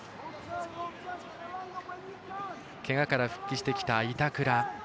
けがから復帰してきた板倉。